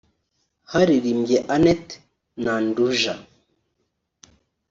haririmbye Annette Nandujja